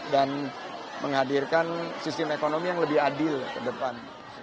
dan menghadirkan sistem ekonomi yang lebih adil ke depan